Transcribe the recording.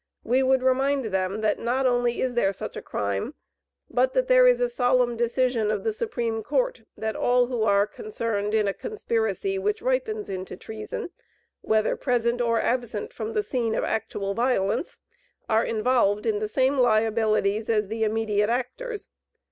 We would remind them, that not only is there such a crime, but that there is a solemn decision of the Supreme Court, that all who are concerned in a conspiracy which ripens into treason, whether present or absent from the scene of actual violence, are involved in the same liabilities as the immediate actors.